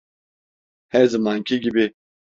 Her zaman ki gibi.